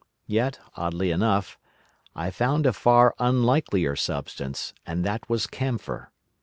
Yet, oddly enough, I found a far unlikelier substance, and that was camphor.